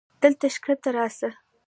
دلته کښته راسه.